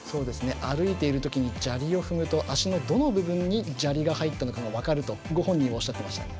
歩いているときに砂利を踏むとどの部分に砂利が入ったか分かるとご本人、言っていました。